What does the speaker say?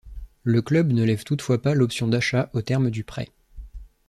Le club ne lève toutefois pas l'option d'achat au terme du prêt.